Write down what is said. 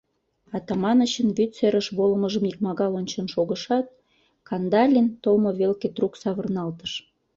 Атаманычын вӱд серыш волымыжым икмагал ончен шогышат, Кандалин толмо велке трук савырналтыш.